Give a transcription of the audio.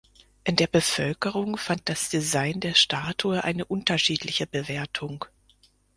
In der Bevölkerung fand das Design der Statue eine unterschiedliche Bewertung.